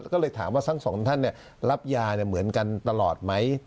ก็เลยถามว่าทั้งสองท่านรับยาเหมือนกันตลอดไหม